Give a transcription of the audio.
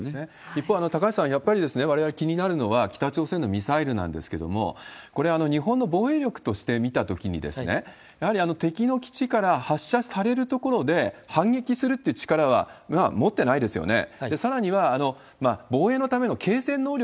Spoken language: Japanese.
一方、高橋さん、われわれ気になるのは、北朝鮮のミサイルなんですけれども、これ、日本の防衛力として見たときに、やはり敵の基地から発射されるところで反撃するという力は持ってないですよね。